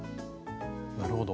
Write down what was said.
なるほど。